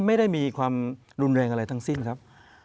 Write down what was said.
ไม่ได้มีความรุนแรงอะไรทั้งสิ้นครับ